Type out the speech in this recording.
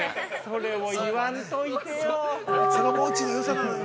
◆それを言わんといてよ。